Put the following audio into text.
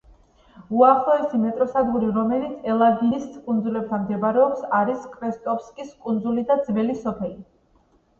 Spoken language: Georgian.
უახლოესი მეტროსადგური, რომელიც ელაგინის კუნძულთან მდებარეობს არის „კრესტოვსკის კუნძული“ და „ძველი სოფელი“.